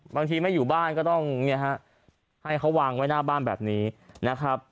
ไม่อยู่บ้านก็ต้องเนี่ยฮะให้เขาวางไว้หน้าบ้านแบบนี้นะครับ